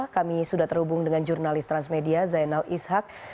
kami sudah terhubung dengan jurnalis transmedia zainal ishak